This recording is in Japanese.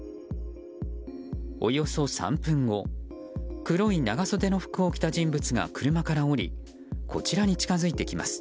およそ３分後黒い長袖の服を着た人物が車から降りこちらに近づいてきます。